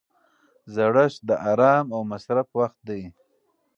زړښت د ارام او مصرف وخت دی.